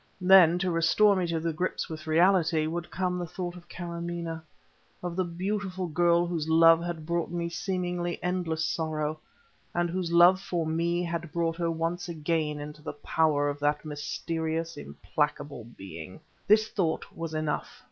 Then, to restore me to grips with reality, would come the thought of Kâramaneh, of the beautiful girl whose love had brought me seemingly endless sorrow and whose love for me had brought her once again into the power of that mysterious, implacable being. This thought was enough.